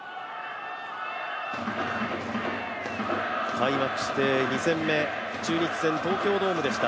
開幕して２戦目、中日戦、東京ドームでした。